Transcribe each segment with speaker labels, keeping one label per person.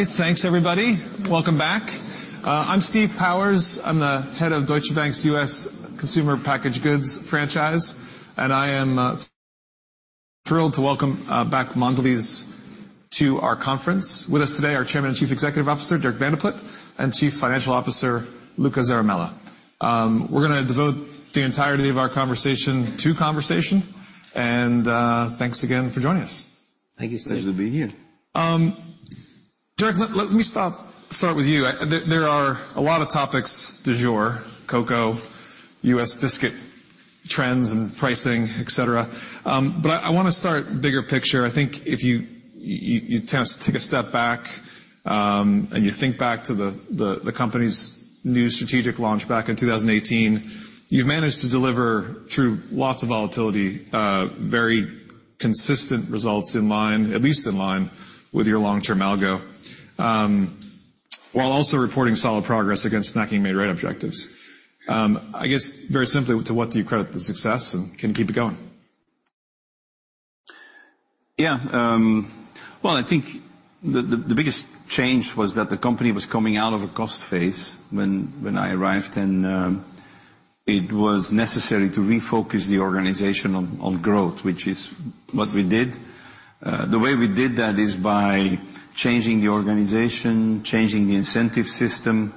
Speaker 1: All right, thanks, everybody. Welcome back. I'm Steve Powers. I'm the head of Deutsche Bank's U.S. Consumer Packaged Goods Franchise, and I am thrilled to welcome back Mondelēz to our conference. With us today, our Chairman and Chief Executive Officer, Dirk Van de Put, and Chief Financial Officer, Luca Zaramella. We're gonna devote the entirety of our conversation to conversation, and thanks again for joining us.
Speaker 2: Thank you, Steve.
Speaker 3: Pleasure to be here.
Speaker 1: Dirk, let me start with you. There are a lot of topics du jour, cocoa, U.S. biscuit trends and pricing, et cetera. But I wanna start bigger picture. I think if you take a step back, and you think back to the company's new strategic launch back in 2018, you've managed to deliver through lots of volatility, very consistent results, at least in line with your long-term algo. While also reporting solid progress against Snacking Made Right objectives. I guess, very simply, to what do you credit the success, and can you keep it going?
Speaker 3: Yeah, well, I think the biggest change was that the company was coming out of a cost phase when I arrived, and it was necessary to refocus the organization on growth, which is what we did. The way we did that is by changing the organization, changing the incentive system,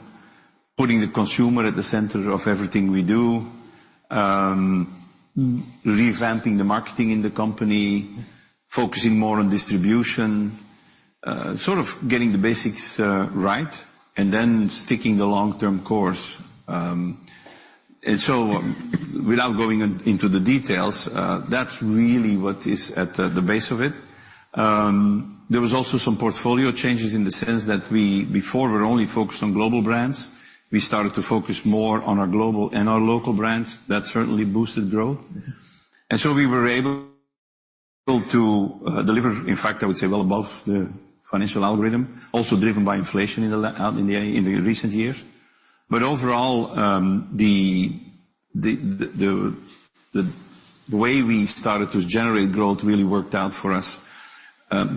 Speaker 3: putting the consumer at the center of everything we do, revamping the marketing in the company, focusing more on distribution, sort of getting the basics right, and then sticking the long-term course. And so without going into the details, that's really what is at the base of it. There was also some portfolio changes in the sense that we, before, were only focused on global brands. We started to focus more on our global and our local brands. That certainly boosted growth. And so we were able to deliver, in fact, I would say, well above the financial algorithm, also driven by inflation in the recent years. But overall, the way we started to generate growth really worked out for us.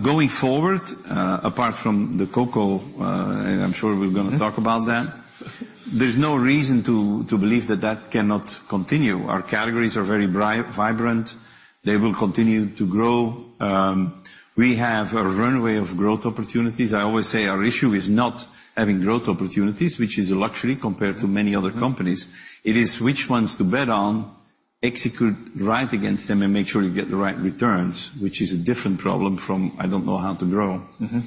Speaker 3: Going forward, apart from the cocoa, and I'm sure we're gonna talk about that-
Speaker 1: Yes.
Speaker 3: There's no reason to believe that that cannot continue. Our categories are very vibrant. They will continue to grow. We have a runway of growth opportunities. I always say our issue is not having growth opportunities, which is a luxury compared to many other companies.
Speaker 1: Mm-hmm.
Speaker 3: It is which ones to bet on, execute right against them, and make sure you get the right returns, which is a different problem from, "I don't know how to grow.
Speaker 1: Mm-hmm.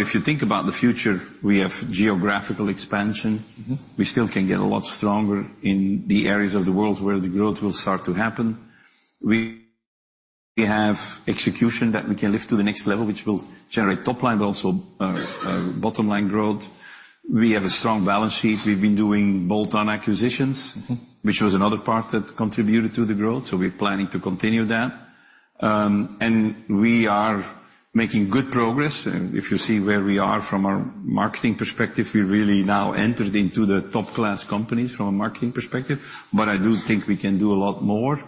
Speaker 3: If you think about the future, we have geographical expansion.
Speaker 1: Mm-hmm.
Speaker 3: We still can get a lot stronger in the areas of the world where the growth will start to happen. We have execution that we can lift to the next level, which will generate top line, but also, bottom line growth. We have a strong balance sheet. We've been doing bolt-on acquisitions-
Speaker 1: Mm-hmm ...
Speaker 3: which was another part that contributed to the growth, so we're planning to continue that. And we are making good progress. If you see where we are from our marketing perspective, we really now entered into the top-class companies from a marketing perspective, but I do think we can do a lot more.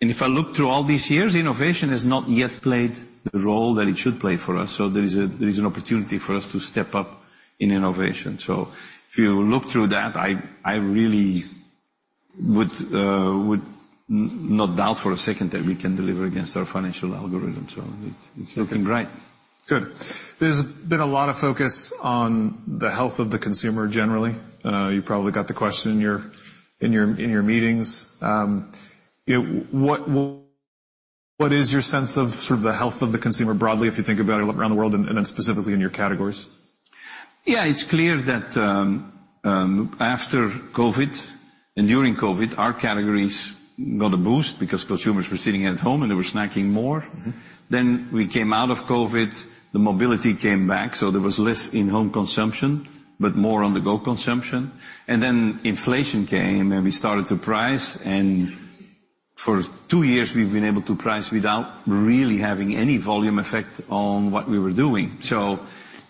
Speaker 3: And if I look through all these years, innovation has not yet played the role that it should play for us, so there is an opportunity for us to step up in innovation. So if you look through that, I really would not doubt for a second that we can deliver against our financial algorithm. So it, it's looking great.
Speaker 1: Good. There's been a lot of focus on the health of the consumer generally. You probably got the question in your meetings. Yeah, what will... What is your sense of sort of the health of the consumer, broadly, if you think about it around the world, and then specifically in your categories?
Speaker 3: Yeah, it's clear that after COVID and during COVID, our categories got a boost because consumers were sitting at home, and they were snacking more.
Speaker 1: Mm-hmm.
Speaker 3: Then we came out of COVID, the mobility came back, so there was less in-home consumption, but more on-the-go consumption. And then inflation came, and we started to price, and for two years, we've been able to price without really having any volume effect on what we were doing. So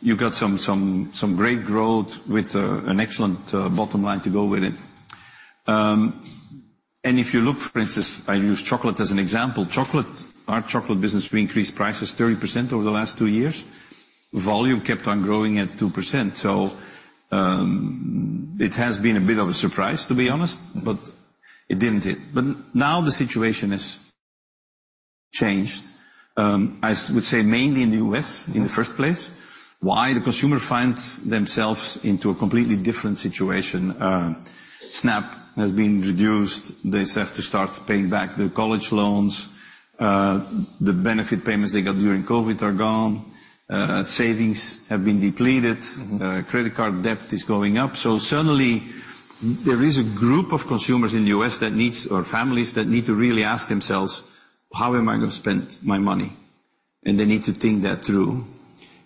Speaker 3: you got some great growth with an excellent bottom line to go with it. And if you look, for instance, I use chocolate as an example. Chocolate, our chocolate business, we increased prices 30% over the last two years. Volume kept on growing at 2%. So, it has been a bit of a surprise, to be honest, but now the situation has changed, I would say mainly in the U.S., in the first place. Why? The consumer finds themselves into a completely different situation. SNAP has been reduced. They have to start paying back the college loans. The benefit payments they got during COVID are gone. Savings have been depleted.
Speaker 1: Mm-hmm.
Speaker 3: Credit card debt is going up. So suddenly, there is a group of consumers in the U.S. that needs... or families that need to really ask themselves: How am I gonna spend my money? And they need to think that through.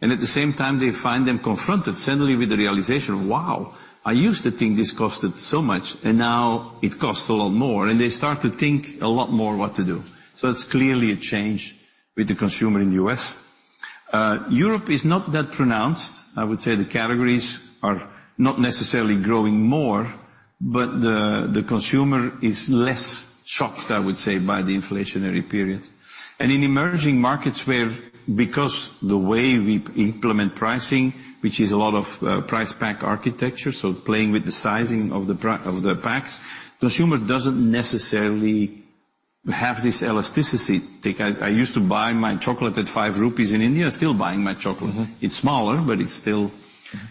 Speaker 3: And at the same time, they find them confronted suddenly with the realization, Wow, I used to think this costed so much, and now it costs a lot more. And they start to think a lot more what to do. So it's clearly a change with the consumer in the U.S. Europe is not that pronounced. I would say the categories are not necessarily growing more but the consumer is less shocked, I would say, by the inflationary period. In emerging markets where, because the way we implement pricing, which is a lot of price pack architecture, so playing with the sizing of the packs, consumer doesn't necessarily have this elasticity. Take, I used to buy my chocolate at INR five in India, still buying my chocolate.
Speaker 1: Mm-hmm.
Speaker 3: It's smaller, but it's still...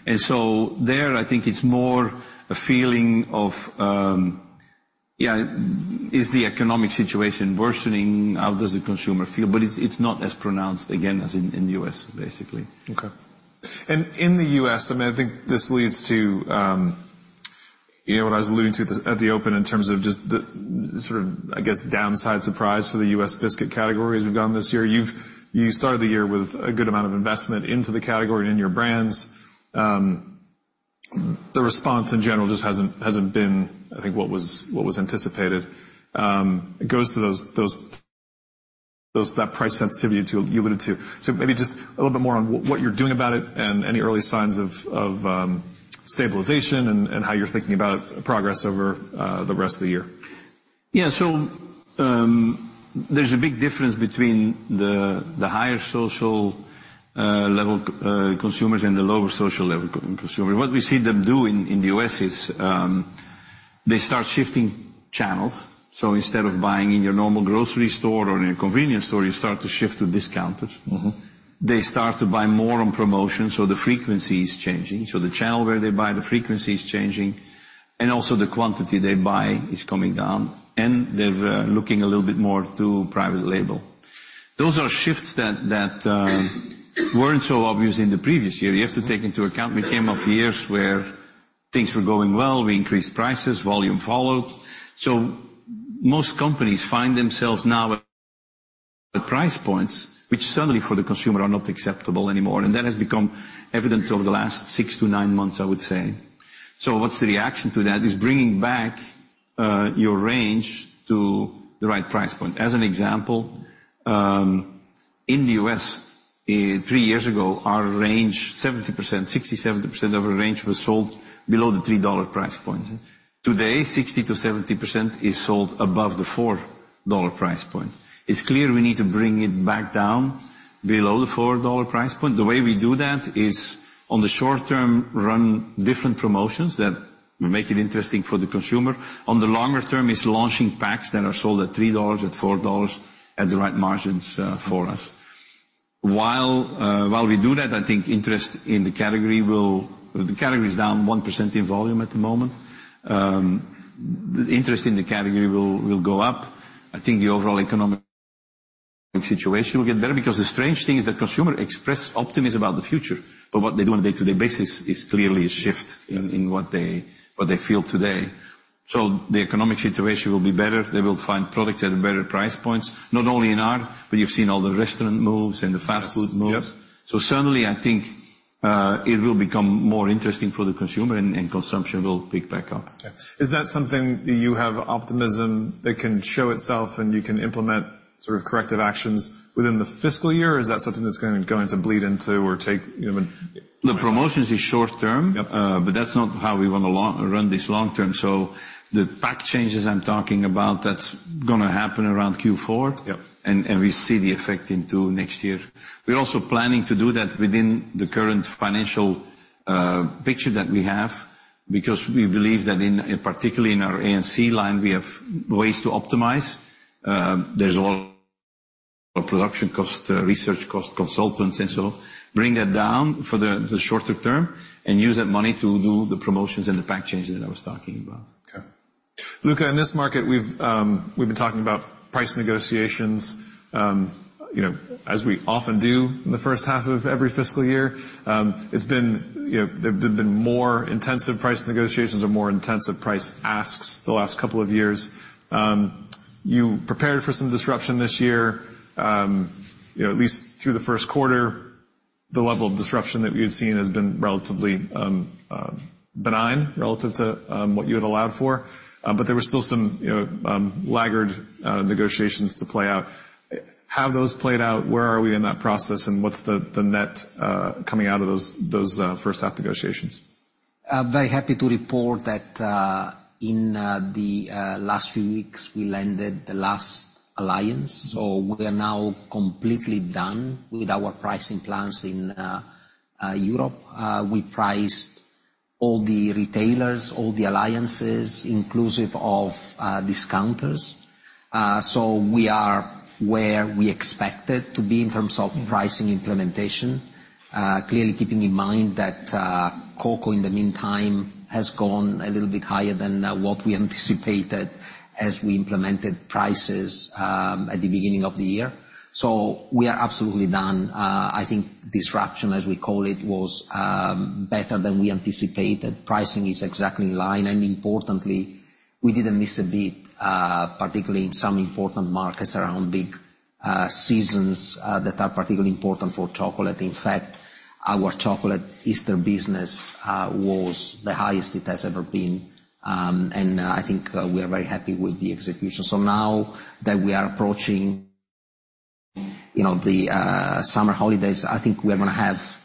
Speaker 3: And so there, I think it's more a feeling of, yeah, is the economic situation worsening? How does the consumer feel? But it's not as pronounced, again, as in the U.S., basically.
Speaker 1: Okay. And in the U.S., I mean, I think this leads to, you know, what I was alluding to at the open in terms of just the, sort of, I guess, downside surprise for the U.S. biscuit category as we've gone this year. You started the year with a good amount of investment into the category and in your brands. The response in general just hasn't been, I think, what was anticipated. It goes to those that price sensitivity to... You alluded to. So maybe just a little bit more on what you're doing about it and any early signs of stabilization and how you're thinking about progress over the rest of the year.
Speaker 3: Yeah. So, there's a big difference between the higher social level consumers and the lower social level consumer. What we see them do in the U.S. is, they start shifting channels. So instead of buying in your normal grocery store or in a convenience store, you start to shift to discounters.
Speaker 1: Mm-hmm.
Speaker 3: They start to buy more on promotion, so the frequency is changing. So the channel where they buy, the frequency is changing, and also the quantity they buy is coming down, and they're looking a little bit more to private label. Those are shifts that weren't so obvious in the previous year.
Speaker 1: Mm-hmm.
Speaker 3: You have to take into account, we came off years where things were going well, we increased prices, volume followed. So most companies find themselves now at price points, which certainly for the consumer, are not acceptable anymore, and that has become evident over the last six-nine months, I would say. So what's the reaction to that? Is bringing back your range to the right price point. As an example, in the U.S., three years ago, our range, 70%, 60 to 70% of our range was sold below the $3 price point. Today, 60%-70% is sold above the $4 price point. It's clear we need to bring it back down below the $4 price point. The way we do that is, on the short term, run different promotions that make it interesting for the consumer. On the longer term, is launching packs that are sold at $3, at $4, at the right margins, for us. While we do that, I think interest in the category will. The category is down 1% in volume at the moment. The interest in the category will go up. I think the overall economic situation will get better, because the strange thing is that consumers express optimism about the future, but what they do on a day-to-day basis is clearly a shift-
Speaker 1: Yes...
Speaker 3: in what they feel today. So the economic situation will be better. They will find products at better price points, not only in our, but you've seen all the restaurant moves and the fast food moves.
Speaker 1: Yes. Yep.
Speaker 3: Certainly, I think, it will become more interesting for the consumer, and consumption will pick back up.
Speaker 1: Okay. Is that something that you have optimism that can show itself, and you can implement sort of corrective actions within the fiscal year? Or is that something that's gonna go into bleed into or take, you know, an-
Speaker 3: The promotions is short term.
Speaker 1: Yep.
Speaker 3: But that's not how we run this long term. So the pack changes I'm talking about, that's gonna happen around Q4.
Speaker 1: Yep.
Speaker 3: We see the effect into next year. We're also planning to do that within the current financial picture that we have, because we believe that in, particularly in our ANC line, we have ways to optimize. There's a lot of production cost, research cost, consultants, and so bring that down for the shorter term, and use that money to do the promotions and the pack changes that I was talking about.
Speaker 1: Okay. Luca, in this market, we've been talking about price negotiations, you know, as we often do in the first half of every fiscal year. It's been, you know, there have been more intensive price negotiations or more intensive price asks the last couple of years. You prepared for some disruption this year. You know, at least through the first quarter, the level of disruption that we had seen has been relatively benign, relative to what you had allowed for. But there were still some, you know, laggard negotiations to play out. Have those played out? Where are we in that process, and what's the net coming out of those first half negotiations?
Speaker 2: I'm very happy to report that in the last few weeks, we landed the last alliance, so we are now completely done with our pricing plans in Europe. We priced all the retailers, all the alliances, inclusive of discounters. So we are where we expected to be in terms of-
Speaker 1: Mm...
Speaker 2: pricing implementation. Clearly keeping in mind that, cocoa, in the meantime, has gone a little bit higher than what we anticipated as we implemented prices, at the beginning of the year. So we are absolutely done. I think disruption, as we call it, was better than we anticipated. Pricing is exactly in line, and importantly, we didn't miss a beat, particularly in some important markets around big seasons, that are particularly important for chocolate. In fact, our chocolate Easter business was the highest it has ever been. And I think we are very happy with the execution. So now that we are approaching-... You know, the summer holidays, I think we are gonna have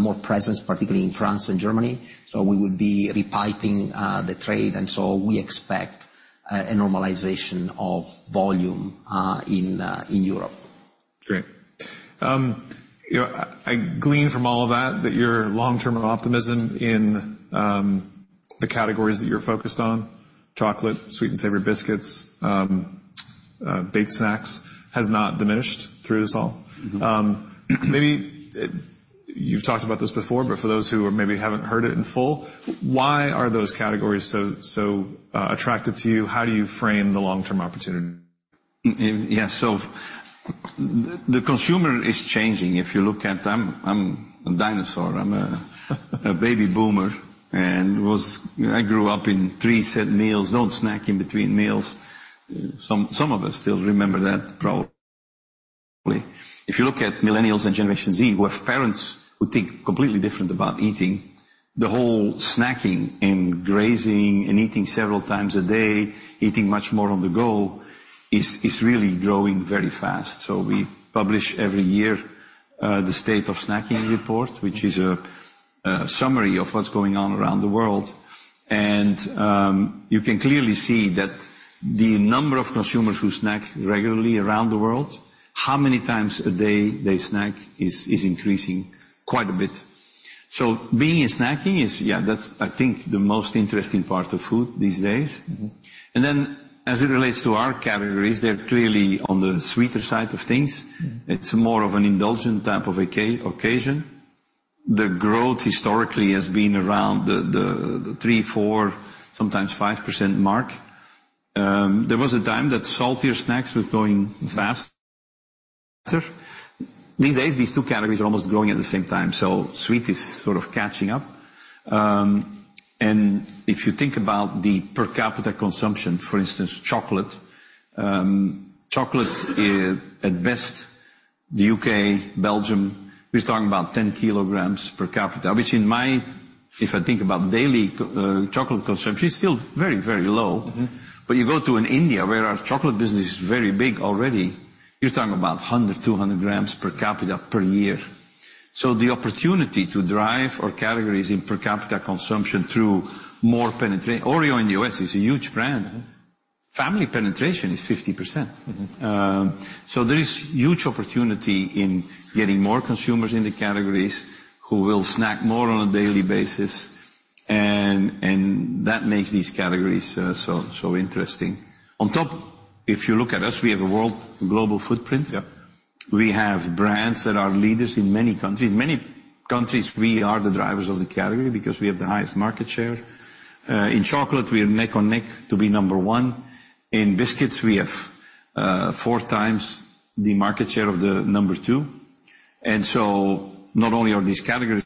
Speaker 2: more presence, particularly in France and Germany, so we will be repiping the trade, and so we expect a normalization of volume in Europe.
Speaker 1: Great. You know, I glean from all of that, that your long-term optimism in the categories that you're focused on, chocolate, sweet and savory biscuits, baked snacks, has not diminished through this all.
Speaker 2: Mm-hmm.
Speaker 1: Maybe you've talked about this before, but for those who maybe haven't heard it in full, why are those categories so, so, attractive to you? How do you frame the long-term opportunity?
Speaker 3: Yeah, so the consumer is changing. If you look at... I'm a dinosaur. I'm a baby boomer, and I grew up in three set meals. Don't snack in between meals. Some of us still remember that, probably. If you look at Millennials and Generation Z, who have parents who think completely different about eating, the whole snacking, and grazing, and eating several times a day, eating much more on the go, is really growing very fast. So we publish every year, the State of Snacking report, which is a summary of what's going on around the world, and you can clearly see that the number of consumers who snack regularly around the world, how many times a day they snack, is increasing quite a bit. Being in snacking is, yeah, that's, I think, the most interesting part of food these days.
Speaker 1: Mm-hmm.
Speaker 3: And then, as it relates to our categories, they're clearly on the sweeter side of things.
Speaker 1: Mm-hmm.
Speaker 3: It's more of an indulgent type of occasion. The growth historically has been around the three, four, sometimes 5% mark. There was a time that saltier snacks were growing faster. These days, these two categories are almost growing at the same time, so sweet is sort of catching up. And if you think about the per capita consumption, for instance, chocolate is, at best, the UK, Belgium, we're talking about 10 kilograms per capita, which in my... If I think about daily chocolate consumption, it's still very, very low.
Speaker 1: Mm-hmm.
Speaker 3: You go to India, where our chocolate business is very big already. You're talking about 100, 200 grams per capita per year. The opportunity to drive our categories in per capita consumption through more penetra-- Oreo in the US is a huge brand.
Speaker 1: Mm-hmm.
Speaker 3: Family penetration is 50%.
Speaker 1: Mm-hmm.
Speaker 3: So there is huge opportunity in getting more consumers in the categories, who will snack more on a daily basis, and that makes these categories so interesting. On top, if you look at us, we have a world global footprint.
Speaker 1: Yep.
Speaker 3: We have brands that are leaders in many countries. Many countries, we are the drivers of the category because we have the highest market share. In chocolate, we are neck and neck to be number one. In biscuits, we have four times the market share of the number two, and so not only are these categories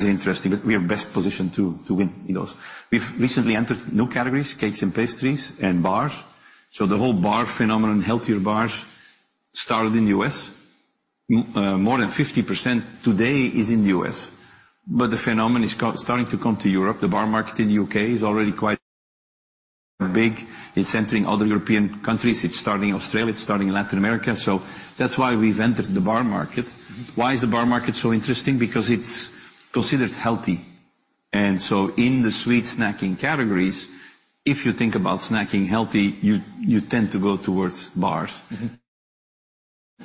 Speaker 3: interesting, but we are best positioned to win in those. We've recently entered new categories, cakes and pastries and bars. So the whole bar phenomenon, healthier bars, started in the U.S. More than 50% today is in the U.S., but the phenomenon is starting to come to Europe. The bar market in the U.K. is already quite big. It's entering other European countries. It's starting in Australia, it's starting in Latin America, so that's why we've entered the bar market.
Speaker 1: Mm-hmm.
Speaker 3: Why is the bar market so interesting? Because it's considered healthy, and so in the sweet snacking categories, if you think about snacking healthy, you, you tend to go towards bars.
Speaker 1: Mm-hmm.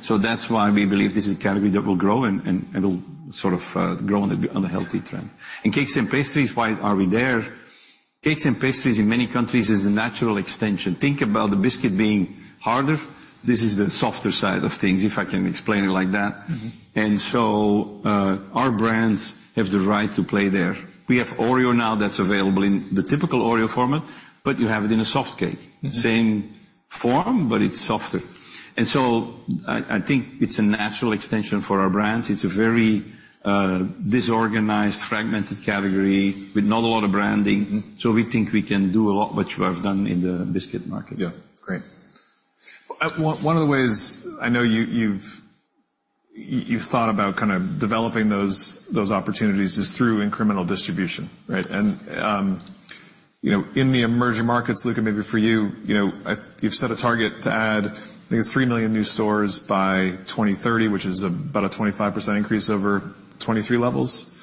Speaker 3: So that's why we believe this is a category that will grow and will sort of grow on the healthy trend. And cakes and pastries, why are we there? Cakes and pastries, in many countries, is the natural extension. Think about the biscuit being harder. This is the softer side of things, if I can explain it like that.
Speaker 1: Mm-hmm.
Speaker 3: So, our brands have the right to play there. We have Oreo now that's available in the typical Oreo format, but you have it in a soft cake.
Speaker 1: Mm-hmm.
Speaker 3: Same form, but it's softer. And so I think it's a natural extension for our brands. It's a very disorganized, fragmented category with not a lot of branding-
Speaker 1: Mm-hmm...
Speaker 3: so we think we can do a lot, which we have done in the biscuit market.
Speaker 1: Yeah, great. One of the ways I know you've thought about developing those opportunities is through incremental distribution, right? You know, in the emerging markets, Luca, maybe for you. You've set a target to add, I think it's three million new stores by 2030, which is about a 25% increase over 2023 levels.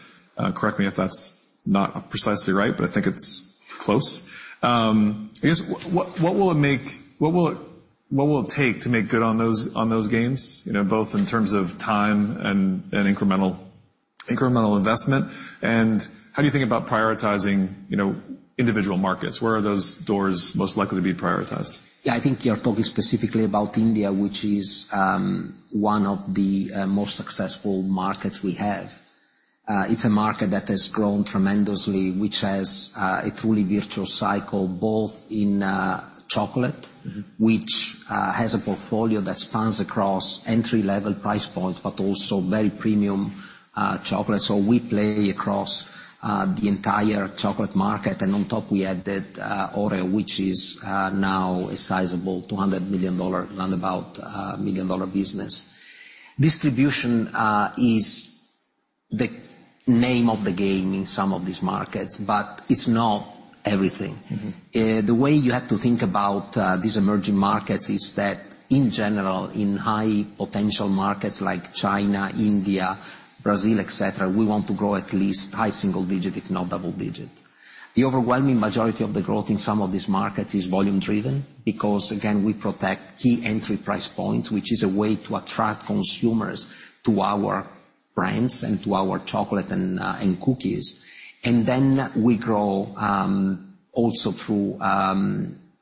Speaker 1: Correct me if that's not precisely right, but I think it's close. I guess what will it take to make good on those gains, you know, both in terms of time and incremental investment? And how do you think about prioritizing individual markets? Where are those doors most likely to be prioritized?
Speaker 2: Yeah, I think you're talking specifically about India, which is one of the most successful markets we have. It's a market that has grown tremendously, which has a truly virtuous cycle, both in chocolate-
Speaker 1: Mm-hmm...
Speaker 2: which has a portfolio that spans across entry-level price points, but also very premium chocolate. So we play across the entire chocolate market, and on top we added Oreo, which is now a sizable, $200 million, roundabout million-dollar business. Distribution is the name of the game in some of these markets, but it's not everything.
Speaker 1: Mm-hmm.
Speaker 2: The way you have to think about these emerging markets is that, in general, in high potential markets like China, India, Brazil, et cetera, we want to grow at least high single digit, if not double digit. The overwhelming majority of the growth in some of these markets is volume-driven, because, again, we protect key entry price points, which is a way to attract consumers to our brands and to our chocolate and cookies. And then we grow also through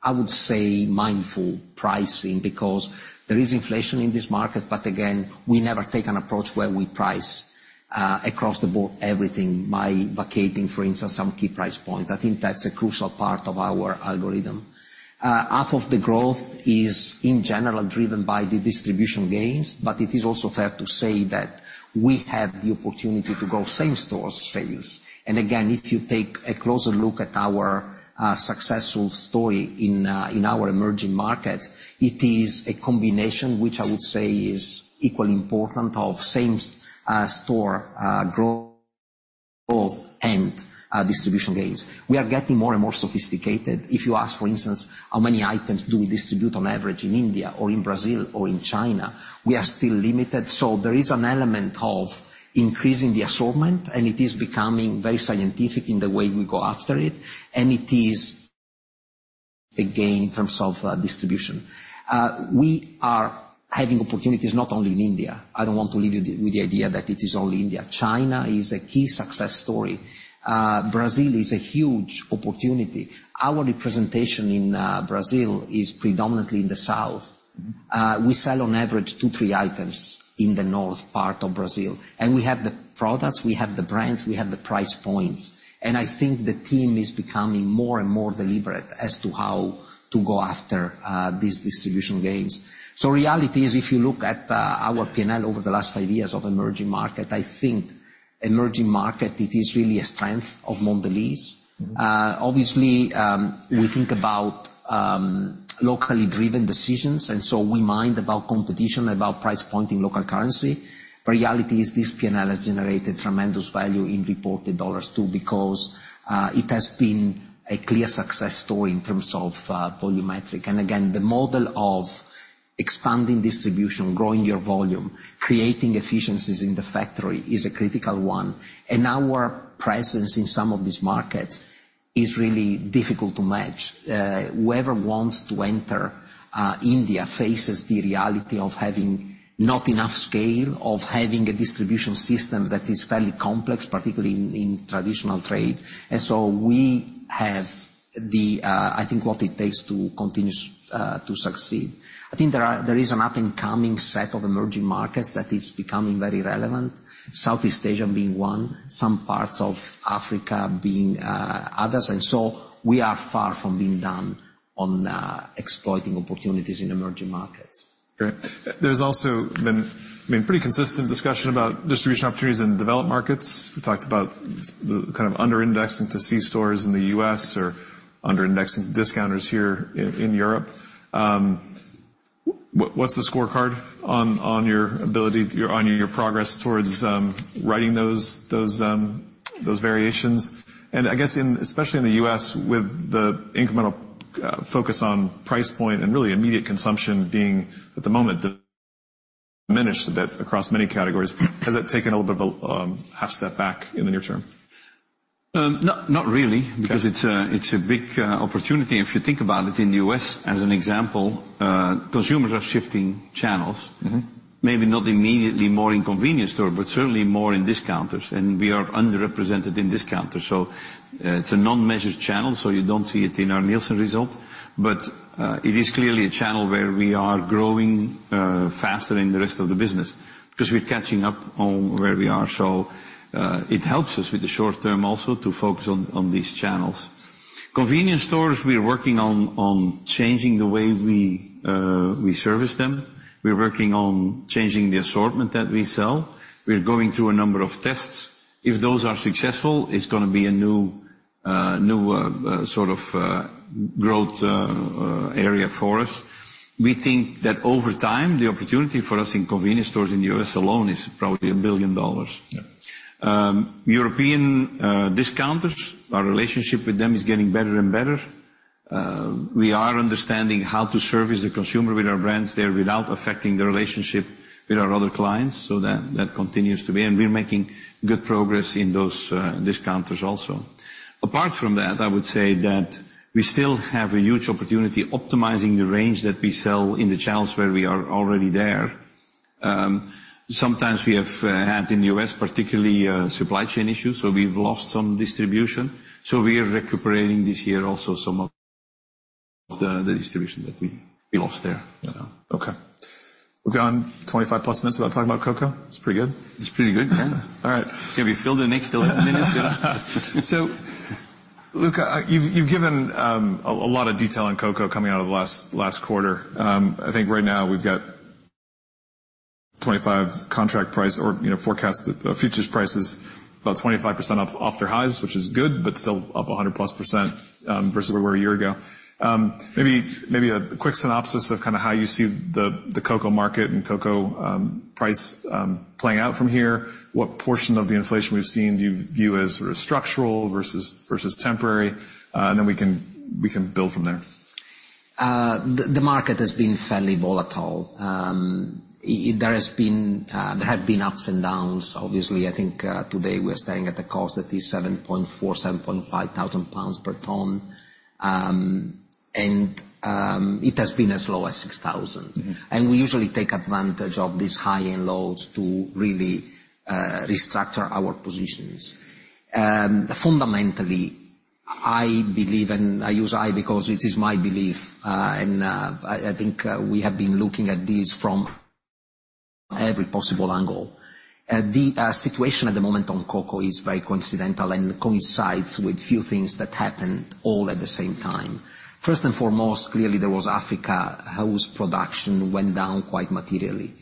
Speaker 2: I would say, mindful pricing, because there is inflation in this market, but again, we never take an approach where we price across the board, everything, by vacating, for instance, some key price points. I think that's a crucial part of our algorithm. Half of the growth is, in general, driven by the distribution gains, but it is also fair to say that we have the opportunity to grow same stores sales. And again, if you take a closer look at our successful story in our emerging market, it is a combination, which I would say is equally important, of same store growth and distribution gains. We are getting more and more sophisticated. If you ask, for instance, how many items do we distribute on average in India or in Brazil or in China, we are still limited. So there is an element of increasing the assortment, and it is becoming very scientific in the way we go after it, and it is a gain in terms of distribution. We are having opportunities not only in India. I don't want to leave you with the idea that it is only India. China is a key success story. Brazil is a huge opportunity. Our representation in Brazil is predominantly in the south.
Speaker 1: Mm-hmm.
Speaker 2: We sell on average two-three items in the north part of Brazil, and we have the products, we have the brands, we have the price points, and I think the team is becoming more and more deliberate as to how to go after these distribution gains. So reality is, if you look at our P&L over the last five years of emerging market, I think emerging market, it is really a strength of Mondelēz.
Speaker 1: Mm-hmm.
Speaker 2: Obviously, we think about locally driven decisions, and so we mind about competition, about price point in local currency. But reality is, this P&L has generated tremendous value in reported dollars, too, because it has been a clear success story in terms of volumetric. And again, the model of expanding distribution, growing your volume, creating efficiencies in the factory, is a critical one, and our presence in some of these markets is really difficult to match. Whoever wants to enter India faces the reality of having not enough scale, of having a distribution system that is fairly complex, particularly in traditional trade. And so we have the, I think, what it takes to continue to succeed. I think there is an up-and-coming set of emerging markets that is becoming very relevant, Southeast Asia being one, some parts of Africa being others. And so we are far from being done on exploiting opportunities in emerging markets.
Speaker 1: Great. There's also been, I mean, pretty consistent discussion about distribution opportunities in the developed markets. We talked about the kind of under-indexing to C stores in the U.S. or under-indexing discounters here in, in Europe. What's the scorecard on your ability, on your progress towards righting those variations? And I guess in, especially in the U.S., with the incremental focus on price point and really immediate consumption being, at the moment, diminished a bit across many categories, has that taken a little bit of a half step back in the near term?
Speaker 3: Not really-
Speaker 1: Okay.
Speaker 3: because it's a big opportunity. If you think about it, in the U.S., as an example, consumers are shifting channels.
Speaker 1: Mm-hmm.
Speaker 3: Maybe not immediately more in convenience store, but certainly more in discounters, and we are underrepresented in discounters. So, it's a non-measured channel, so you don't see it in our Nielsen result, but, it is clearly a channel where we are growing, faster than the rest of the business, because we're catching up on where we are. So, it helps us with the short term also, to focus on these channels. Convenience stores, we're working on changing the way we service them. We're working on changing the assortment that we sell. We're going through a number of tests. If those are successful, it's gonna be a new, new, sort of, growth, area for us. We think that over time, the opportunity for us in convenience stores in the U.S. alone is probably $1 billion.
Speaker 1: Yeah.
Speaker 3: European discounters, our relationship with them is getting better and better. We are understanding how to service the consumer with our brands there without affecting the relationship with our other clients. So that continues to be... And we're making good progress in those discounters also. Apart from that, I would say that we still have a huge opportunity optimizing the range that we sell in the channels where we are already there. Sometimes we have had, in the U.S., particularly, supply chain issues, so we've lost some distribution. So we are recuperating this year also, some of the distribution that we lost there.
Speaker 1: Okay. We've gone 25+ minutes without talking about cocoa. It's pretty good.
Speaker 3: It's pretty good, yeah.
Speaker 1: All right.
Speaker 2: Yeah, we still didn't explain this.
Speaker 1: So Luca, you've given a lot of detail on cocoa coming out of the last quarter. I think right now we've got 25 contract price or, you know, forecast futures prices about 25% up off their highs, which is good, but still up 100+% versus where we were a year ago. Maybe a quick synopsis of kind of how you see the cocoa market and cocoa price playing out from here. What portion of the inflation we've seen do you view as structural versus temporary? And then we can build from there.
Speaker 2: The market has been fairly volatile. There has been, there have been ups and downs. Obviously, I think, today we're starting at the cost, at the 7,400-7,500 pounds per ton. It has been as low as 6,000.
Speaker 1: Mm-hmm.
Speaker 2: We usually take advantage of these high and lows to really restructure our positions. Fundamentally, I believe, and I use I because it is my belief, and I think we have been looking at this from every possible angle. The situation at the moment on cocoa is very coincidental and coincides with few things that happened all at the same time. First and foremost, clearly, there was Africa, whose production went down quite materially.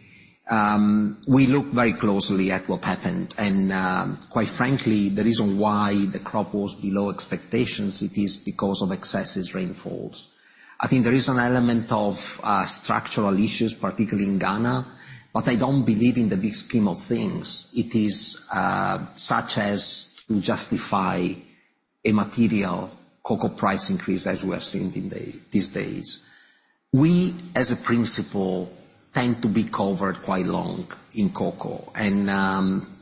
Speaker 2: We looked very closely at what happened, and, quite frankly, the reason why the crop was below expectations, it is because of excessive rainfalls. I think there is an element of structural issues, particularly in Ghana, but I don't believe in the big scheme of things. It is such as to justify a material cocoa price increase, as we have seen in these days. We, as a principle, tend to be covered quite long in cocoa, and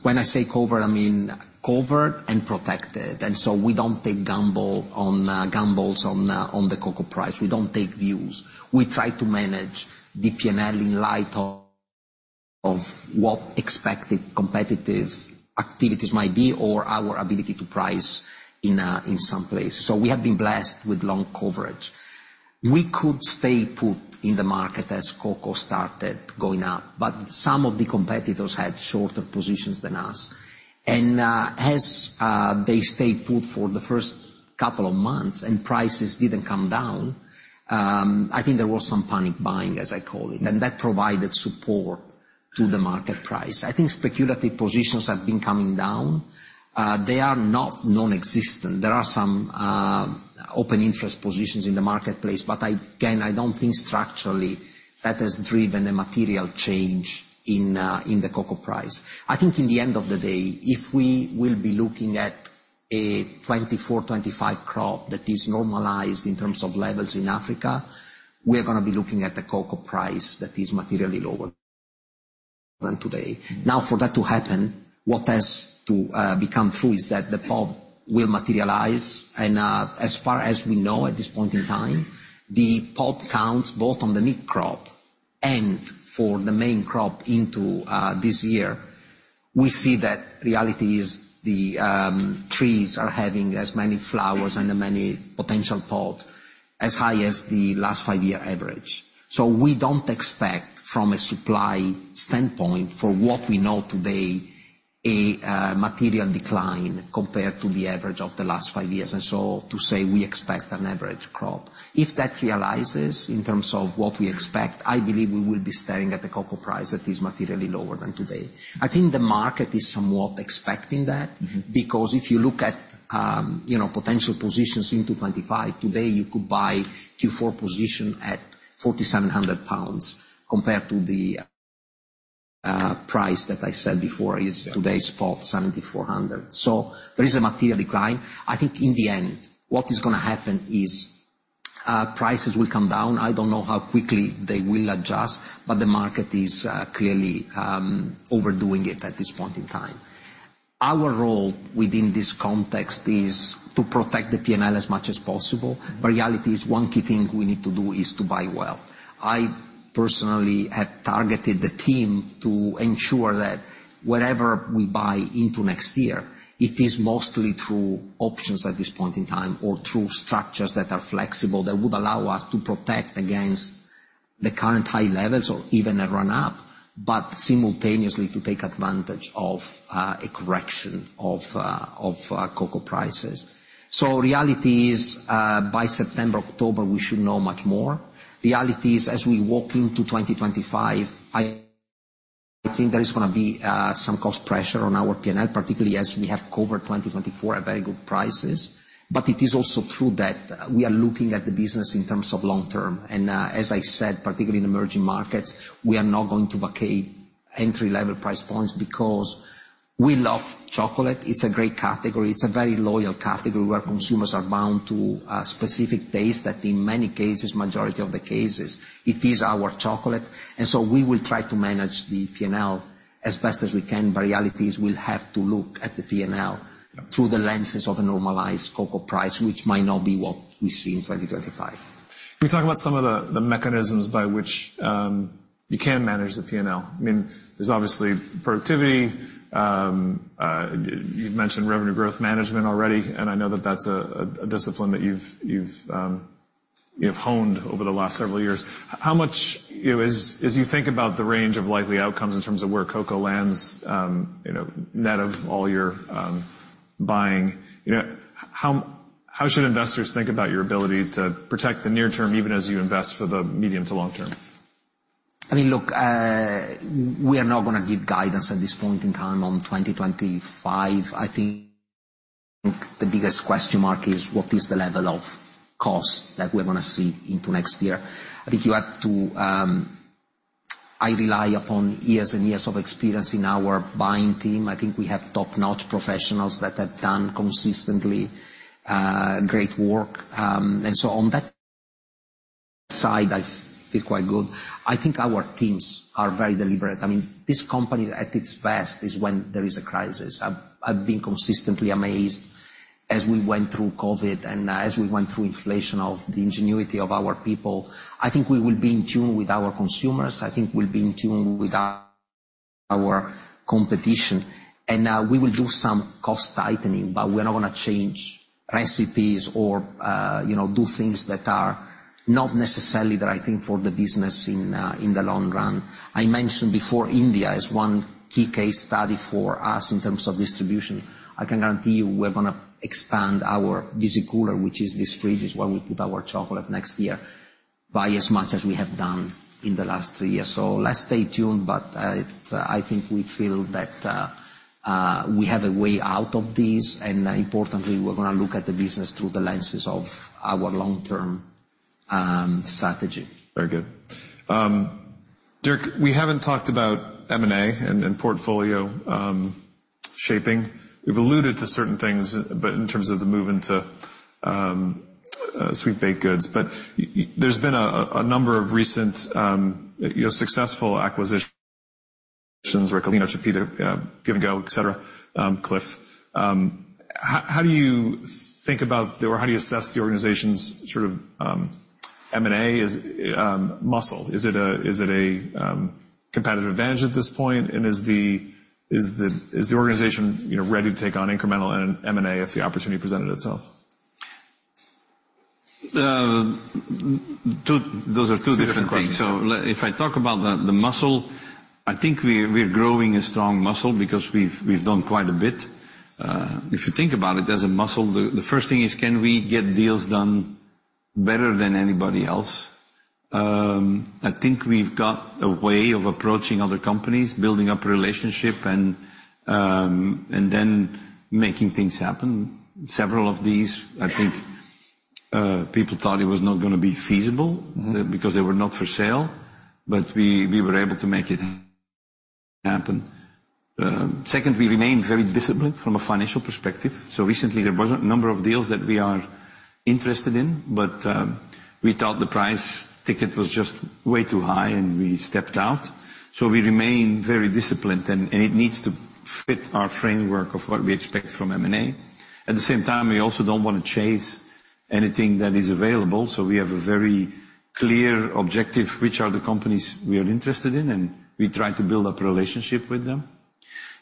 Speaker 2: when I say covered, I mean covered and protected, and so we don't take gambles on the cocoa price. We don't take views. We try to manage the P&L in light of what expected competitive activities might be or our ability to price in some places. So we have been blessed with long coverage. We could stay put in the market as cocoa started going up, but some of the competitors had shorter positions than us. As they stayed put for the first couple of months and prices didn't come down, I think there was some panic buying, as I call it, and that provided support to the market price. I think speculative positions have been coming down. They are not nonexistent. There are some open interest positions in the marketplace, but, again, I don't think structurally that has driven a material change in, in the cocoa price. I think in the end of the day, if we will be looking at a 2024-2025 crop that is normalized in terms of levels in Africa, we're gonna be looking at the cocoa price that is materially lower than today. Now, for that to happen, what has to become true is that the pod will materialize, and as far as we know at this point in time, the pod counts both on the mid crop and for the main crop into this year. We see that reality is the trees are having as many flowers and as many potential pods as high as the last five-year average. So we don't expect, from a supply standpoint, for what we know today, a material decline compared to the average of the last five years, and so to say we expect an average crop. If that realizes in terms of what we expect, I believe we will be staring at a cocoa price that is materially lower than today. I think the market is somewhat expecting that-
Speaker 1: Mm-hmm.
Speaker 2: because if you look at potential positions into 2025, today, you could buy Q4 position at 4,700 pounds, compared to the price that I said before is-
Speaker 1: Yeah
Speaker 2: Today's spot, $7,400. So there is a material decline. I think in the end, what is gonna happen is, prices will come down. I don't know how quickly they will adjust, but the market is clearly overdoing it at this point in time. Our role within this context is to protect the P&L as much as possible, but reality is one key thing we need to do is to buy well. I personally have targeted the team to ensure that whatever we buy into next year, it is mostly through options at this point in time, or through structures that are flexible, that would allow us to protect against the current high levels or even a run-up, but simultaneously to take advantage of a correction of cocoa prices. So reality is, by September, October, we should know much more. Reality is, as we walk into 2025, I think there is gonna be some cost pressure on our P&L, particularly as we have covered 2024 at very good prices. But it is also true that we are looking at the business in terms of long term, and as I said, particularly in emerging markets, we are not going to vacate entry-level price points because we love chocolate. It's a great category. It's a very loyal category where consumers are bound to a specific taste that, in many cases, majority of the cases, it is our chocolate. And so we will try to manage the P&L as best as we can, but reality is we'll have to look at the P&L-
Speaker 1: Yeah
Speaker 2: -through the lenses of a normalized cocoa price, which might not be what we see in 2025.
Speaker 1: Can we talk about some of the mechanisms by which you can manage the P&L? I mean, there's obviously productivity. You've mentioned revenue growth management already, and I know that that's a discipline that you've honed over the last several years. How much... As you think about the range of likely outcomes in terms of where cocoa lands, you know, net of all your buying, you know, how should investors think about your ability to protect the near term, even as you invest for the medium to long term? ...
Speaker 2: I mean, look, we are not going to give guidance at this point in time on 2025. I think the biggest question mark is: what is the level of cost that we're going to see into next year? I think you have to, I rely upon years and years of experience in our buying team. I think we have top-notch professionals that have done consistently, great work. And so on that side, I feel quite good. I think our teams are very deliberate. I mean, this company, at its best, is when there is a crisis. I've been consistently amazed as we went through COVID and as we went through inflation, of the ingenuity of our people. I think we will be in tune with our consumers. I think we'll be in tune with our competition, and we will do some cost tightening, but we're not going to change recipes or, you know, do things that are not necessarily the right thing for the business in the long run. I mentioned before, India is one key case study for us in terms of distribution. I can guarantee you, we're going to expand our Visi-Cooler, which is this fridge, it's where we put our chocolate next year, by as much as we have done in the last three years. So let's stay tuned, but I think we feel that we have a way out of this, and importantly, we're going to look at the business through the lenses of our long-term strategy.
Speaker 1: Very good. Dirk, we haven't talked about M&A and portfolio shaping. We've alluded to certain things, but in terms of the move into sweet baked goods. But there's been a number of recent, you know, successful acquisitions, where you know, Give & Go, et cetera, Clif. How do you think about or how do you assess the organization's sort of M&A muscle? Is it a competitive advantage at this point, and is the organization, you know, ready to take on incremental M&A if the opportunity presented itself?
Speaker 3: Those are two different things.
Speaker 1: Two different questions.
Speaker 3: So if I talk about the muscle, I think we're growing a strong muscle because we've done quite a bit. If you think about it as a muscle, the first thing is, can we get deals done better than anybody else? I think we've got a way of approaching other companies, building up a relationship and then making things happen. Several of these, I think, people thought it was not going to be feasible.
Speaker 1: Mm-hmm.
Speaker 3: Because they were not for sale, but we were able to make it happen. Secondly, we remained very disciplined from a financial perspective. So recently, there was a number of deals that we are interested in, but we thought the price ticket was just way too high, and we stepped out. So we remain very disciplined, and it needs to fit our framework of what we expect from M&A. At the same time, we also don't want to chase anything that is available, so we have a very clear objective, which are the companies we are interested in, and we try to build up a relationship with them.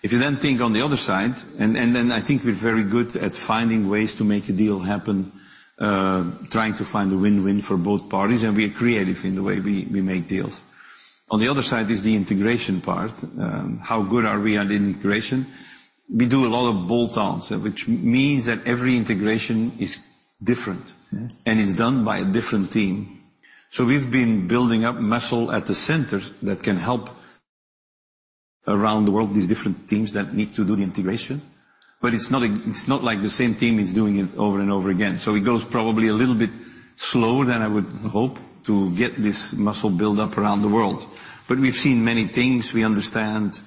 Speaker 3: If you then think on the other side, and then I think we're very good at finding ways to make a deal happen, trying to find a win-win for both parties, and we are creative in the way we make deals. On the other side is the integration part. How good are we at integration? We do a lot of bolt-ons, which means that every integration is different-
Speaker 1: Mm.
Speaker 3: and is done by a different team. So we've been building up muscle at the centers that can help around the world, these different teams that need to do the integration. But it's not like the same team is doing it over and over again. So it goes probably a little bit slower than I would hope to get this muscle build up around the world. But we've seen many things. We understand,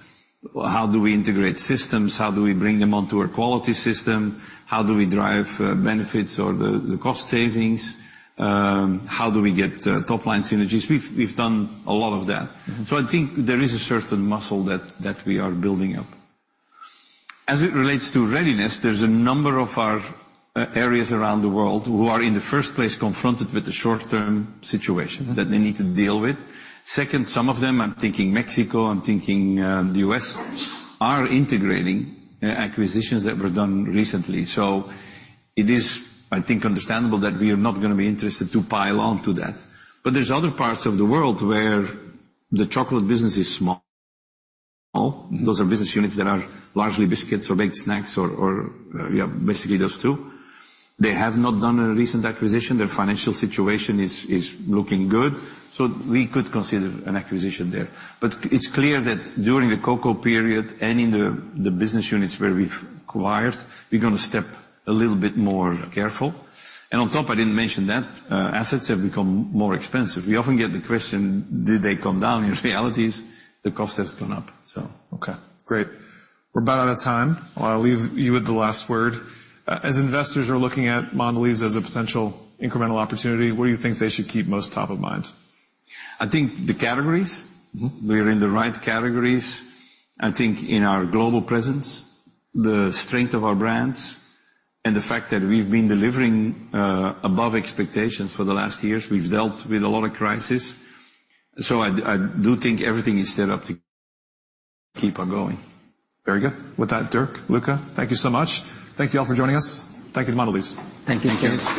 Speaker 3: how do we integrate systems? How do we bring them onto our quality system? How do we drive benefits or the cost savings? How do we get top-line synergies? We've done a lot of that.
Speaker 1: Mm-hmm.
Speaker 3: So I think there is a certain muscle that we are building up. As it relates to readiness, there's a number of our areas around the world who are, in the first place, confronted with a short-term situation-
Speaker 1: Mm.
Speaker 3: -that they need to deal with. Second, some of them, I'm thinking Mexico, I'm thinking, the U.S., are integrating acquisitions that were done recently. So it is, I think, understandable that we are not going to be interested to pile on to that. But there's other parts of the world where the chocolate business is small. Those are business units that are largely biscuits or baked snacks or, yeah, basically those two. They have not done a recent acquisition. Their financial situation is looking good, so we could consider an acquisition there. But it's clear that during the cocoa period and in the business units where we've acquired, we're going to step a little bit more careful. And on top, I didn't mention that, assets have become more expensive. We often get the question: Did they come down? In reality, the cost has gone up, so.
Speaker 1: Okay, great. We're about out of time. I'll leave you with the last word. As investors are looking at Mondelēz as a potential incremental opportunity, what do you think they should keep most top of mind?
Speaker 3: I think the categories.
Speaker 1: Mm-hmm.
Speaker 3: We are in the right categories. I think in our global presence, the strength of our brands, and the fact that we've been delivering above expectations for the last years. We've dealt with a lot of crisis. So I do think everything is set up to keep on going.
Speaker 1: Very good. With that, Dirk, Luca, thank you so much. Thank you all for joining us. Thank you to Mondelēz.
Speaker 2: Thank you, sir.